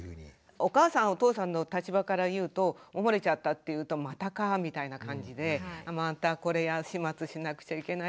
お母さんお父さんの立場から言うと漏れちゃったっていうとまたかみたいな感じでまたこれ始末しなくちゃいけない。